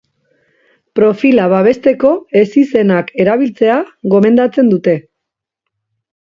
Profila babesteko ezizenak erabiltzea gomendatzen dute.